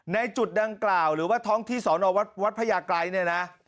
ในจุดดังกล่าวหรือว่าท้องที่สอนอวัดพระยากรัยเนี่ยนะ